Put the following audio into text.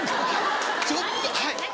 ちょっと。